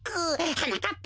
はなかっぱ！